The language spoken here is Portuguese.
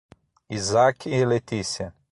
Isaac e Letícia